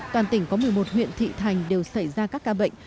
toàn tỉnh có một mươi một huyện thị thành đều xảy ra các ca bệnh